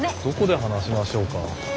どこで話しましょうか？